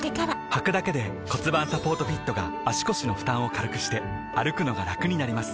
はくだけで骨盤サポートフィットが腰の負担を軽くして歩くのがラクになります